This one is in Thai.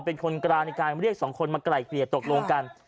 เป็นคนกลางในการเรียกสองคนมาไกล่เกลี่ยตกลงกัน